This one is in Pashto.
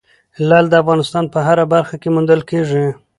لعل د افغانستان په هره برخه کې موندل کېږي.